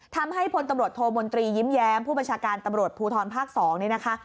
ทำให้พลตำรวจโทมนตรียิ้มแย้มผู้บัญชาการตำรวจภูทรภาค๒นี่นะคะ